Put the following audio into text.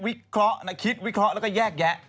วิเคราะห์นะคิดวิเคราะห์แล้วก็แยกแยะ